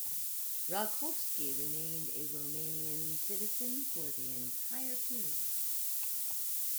Rakovsky remained a Romanian citizen for the entire period.